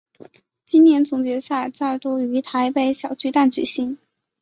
今年总决赛再度于台北小巨蛋举行。